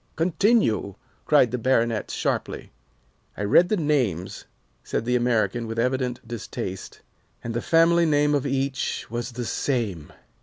"Continue!" cried the Baronet, sharply. "I read the names," said the American with evident distaste, "and the family name of each was the same.